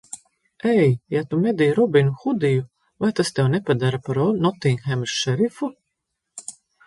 Ei, ja tu medī Robinu Hudiju, vai tas tevi nepadara par Notinghemas šerifu?